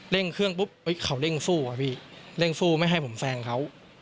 เร่งเครื่องก็เอ้ยเขาเร่งสู้แล้วเพราะก็ไม่ให้ผมแฟงพวกเขา